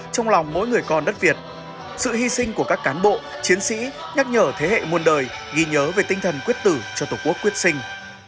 trong lòng mỗi người con đất việt sự hy sinh của các cán bộ chiến sĩ nhắc nhở thế hệ muôn đời ghi nhớ về tinh thần quyết tử cho tổ quốc quyết sinh